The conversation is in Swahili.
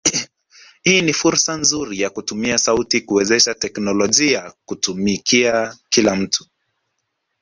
hii ni fursa nzuri ya kutumia sauti kuwezesha teknolojia kutumikia kila mtu.